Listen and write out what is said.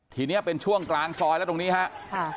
ทีนี้เป็นช่วงกลางซอยแล้วตรงนี้ครับ